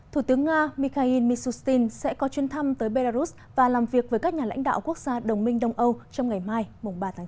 thủ tướng nga mikhail misustin sẽ có chuyến thăm tới belarus và làm việc với các nhà lãnh đạo quốc gia đồng minh đông âu trong ngày mai ba tháng chín